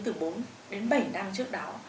từ bốn đến bảy năm trước đó